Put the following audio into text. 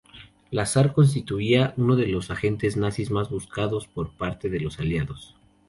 Lazar constituía uno de los agentes nazis más buscados por parte de los aliados.